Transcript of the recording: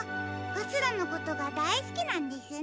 ガスラのことがだいすきなんですね。